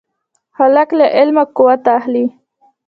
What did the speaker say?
هلک له علمه قوت اخلي.